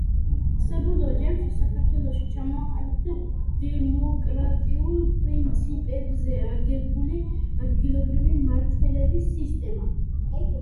საბოლოო ჯამში, საქართველოში ჩამოყალიბდა დემოკრატიულ პრინციპებზე აგებული ადგილობრივი მართველობის სისტემა.